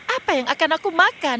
apa yang akan aku makan